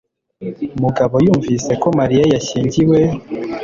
mugabo yumvise ko Mariya yashyingiwe